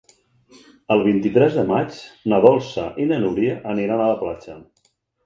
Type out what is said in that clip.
El vint-i-tres de maig na Dolça i na Núria aniran a la platja.